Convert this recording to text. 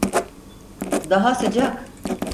Daha sıcak.